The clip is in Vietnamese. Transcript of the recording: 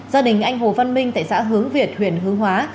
gia đình anh hồ văn minh tại xã hướng việt huyện hướng hóa